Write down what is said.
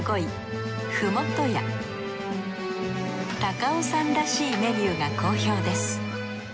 高尾山らしいメニューが好評です。